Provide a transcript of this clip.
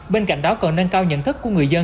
bên cạnh đó còn nên cao nhận thức của người dân